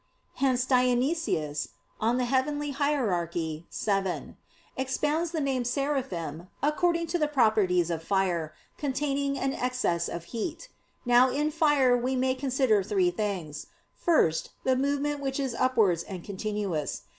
Hence Dionysius (Coel. Hier. vii) expounds the name "Seraphim" according to the properties of fire, containing an excess of heat. Now in fire we may consider three things. First, the movement which is upwards and continuous.